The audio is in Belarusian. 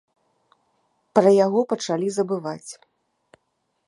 Пра яго пачалі забываць.